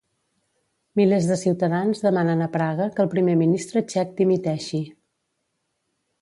Milers de ciutadans demanen a Praga que el primer ministre txec dimiteixi.